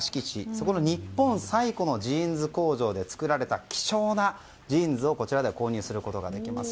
そこの日本最古のジーンズ工場で作られた希少なジーンズをこちらでは購入することができます。